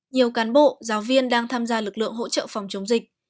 nhiều cán bộ giáo viên đang tham gia lực lượng hỗ trợ phòng chống dịch